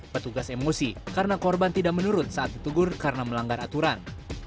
petugas emosi karena korban tidak menurut saat ditegur karena melanggar aturan